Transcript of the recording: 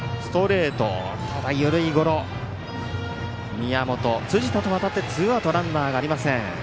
宮本、辻田と渡ってツーアウトランナーがありません。